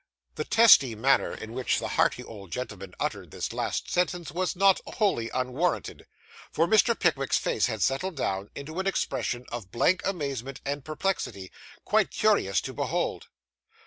The testy manner in which the hearty old gentleman uttered this last sentence was not wholly unwarranted; for Mr. Pickwick's face had settled down into an expression of blank amazement and perplexity, quite curious to behold.